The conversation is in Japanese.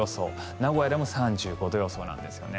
名古屋でも３５度予想なんですよね。